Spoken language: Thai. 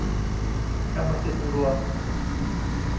กรรมสิทธิ์รวม